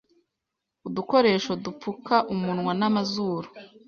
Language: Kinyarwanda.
udukoresho dupfuka umunwa n'amazuru,